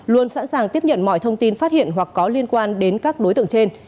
luôn sẵn sàng tiếp nhận mọi thông tin phát hiện hoặc có liên quan đến các đối tượng trên